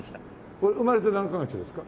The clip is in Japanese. これ生まれて何カ月ですか？